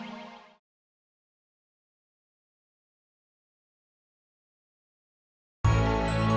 aquarium sekarang udahacak semuanya